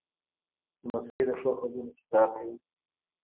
لمسی د ښو خبرو تکرار کوي.